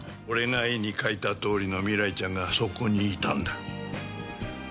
俺が絵に描いたとおりの未来ちゃんが、そこにいたんだ。